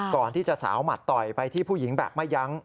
สาวหมัดต่อยไปที่ผู้หญิงแบบไม่ยั้ง